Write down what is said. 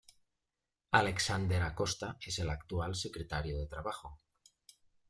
Alexander Acosta es el actual secretario de trabajo.